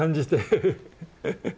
フフフ！